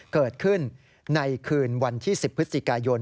เกิดขึ้นในคืนวันที่๑๐พฤศจิกายน